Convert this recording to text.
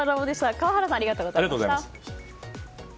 川原さんありがとうございました。